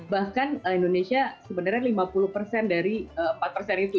bahkan indonesia sebenarnya lima puluh persen dari empat persen itu